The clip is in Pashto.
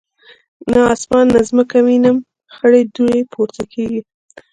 نه اسمان نه مځکه وینم خړي دوړي پورته کیږي